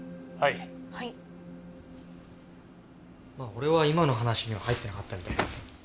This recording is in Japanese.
俺は今の話には入ってなかったみたい。